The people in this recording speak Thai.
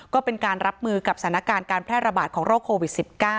ก็เป็นการรับมือกับสถานการณ์การแพร่ระบาดของโรคโควิด๑๙